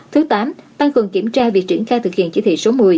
thứ tám tăng cường kiểm tra việc triển khai thực hiện chỉ thị số một mươi